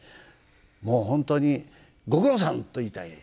もう本当にご苦労さんと言いたいです。